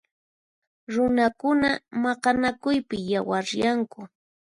Runakuna maqanakuypi yawaryanku.